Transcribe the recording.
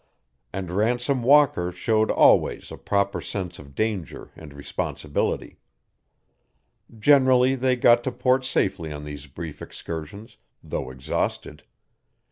And Ransom Walker showed always a proper sense of danger and responsibility. Generally they got to port safely on these brief excursions, though exhausted.